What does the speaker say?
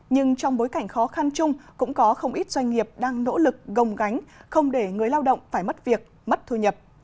nhưng trong bối cảnh khó khăn chung cũng có không ít doanh nghiệp đang nỗ lực gồng gánh không để người lao động phải mất việc mất thu nhập